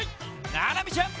ななみちゃん！